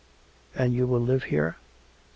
" And you will live here ?